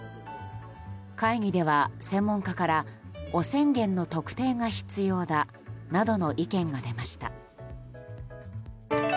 会議では専門家から汚染源の特定が必要だなどの意見が出ました。